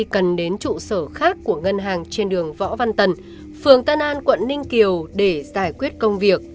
cần đến trụ sở khác của ngân hàng trên đường võ văn tần phường tân an quận ninh kiều để giải quyết công việc